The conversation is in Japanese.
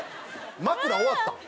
枕終わったん？